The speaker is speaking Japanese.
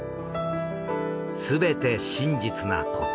すべて真実なこと。